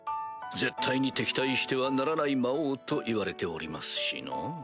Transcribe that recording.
絶対に敵対してはならない魔王といわれておりますしのぅ。